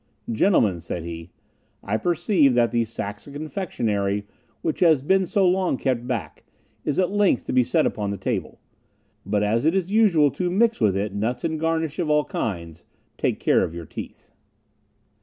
"Gentlemen," said he, "I perceive that the Saxon confectionery, which has been so long kept back, is at length to be set upon the table. But as it is usual to mix with it nuts and garnish of all kinds, take care of your teeth."